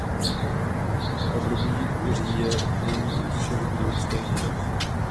Období říje není u všech druhů stejné.